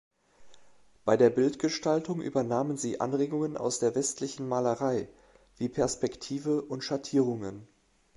Bei der Bildgestaltung übernahmen sie Anregungen aus der westlichen Malerei wie Perspektive und Schattierungen.